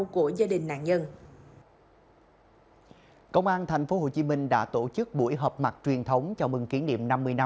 công an tp hcm đã tổ chức buổi họp mặt truyền thống cho mừng kiến điểm năm mươi năm